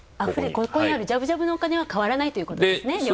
ここにあるじゃぶじゃぶのお金は変わらないということですね。